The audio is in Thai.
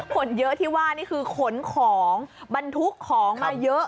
คนเยอะที่ว่านี่คือขนของบรรทุกของมาเยอะ